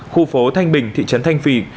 khu phố thanh bình thị trấn thanh phì